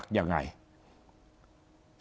ฝ่ายที่นายกภาคริชาเพราะเวียดและฟังคลักษณะ